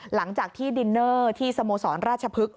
หลังจากที่ดินเนอร์ที่สโมสรราชพฤกษ